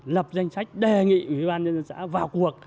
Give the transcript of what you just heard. lập danh sách đề nghị ủy ban nhân dân xã vào cuộc